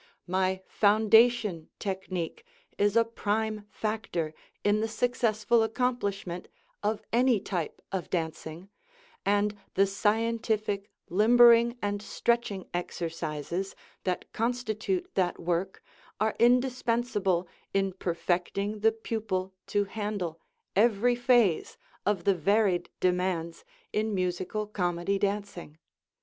My foundation technique is a prime factor in the successful accomplishment of any type of dancing, and the scientific limbering and stretching exercises that constitute that work are indispensable in perfecting the pupil to handle every phase of the varied demands in Musical Comedy dancing.